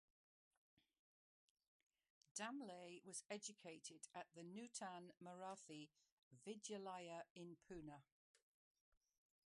Damle was educated at the Nutan Marathi Vidyalaya in Pune.